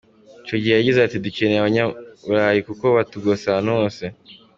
Icyo gihe yagize ati:”dukeneye abanyaburayi kuko batugose ahantu hose.